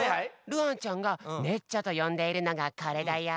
るあんちゃんが「ねっちゃ」とよんでいるのがこれだよ。